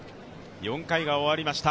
４回が終わりました。